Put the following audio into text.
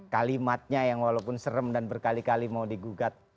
kalimatnya yang walaupun serem dan berkali kali mau digugat